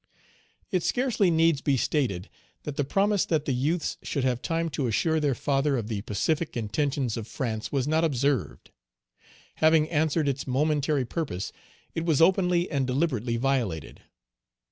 It scarcely needs be stated that the promise that the youths Page 156 should have time to assure their father of the pacific intentions of France was not observed. Having answered its momentary purpose it was openly and deliberately violated.